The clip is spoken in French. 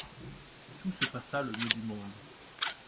Tout se passa le mieux du monde.